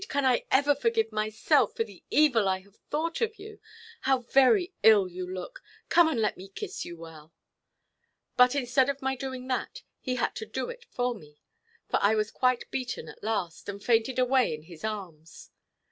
Can I ever forgive myself, for the evil I have thought of you? How very ill you look! Come and let me kiss you well." But instead of my doing that, he had to do it for me; for I was quite beaten at last, and fainted away in his arms.